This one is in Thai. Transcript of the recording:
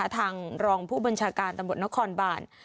ทางรองผู้บัญชาการตำรวจนครบาน